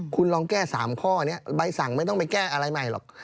คุณลองแก้๓ข้อนี้ใบสั่งไม่ต้องไปแก้อะไรใหม่หรอก